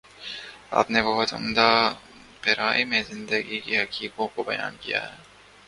آپ نے بہت عمدہ پیراۓ میں زندگی کی حقیقتوں کو بیان کیا ہے۔